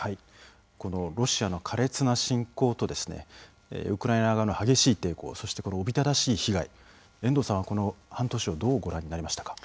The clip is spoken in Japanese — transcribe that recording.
ロシアの苛烈な侵攻とウクライナ側の激しい抵抗そして、おびただしい被害遠藤さんは、この半年をどうご覧になりましたか。